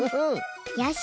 よし！